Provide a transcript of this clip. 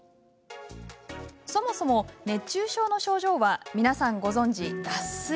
そもそも、熱中症の症状は皆さんご存じ脱水。